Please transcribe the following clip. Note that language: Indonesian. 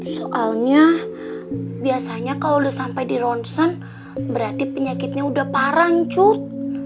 soalnya biasanya kalau udah sampai di ronsen berarti penyakitnya udah paran cut